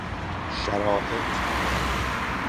شرائط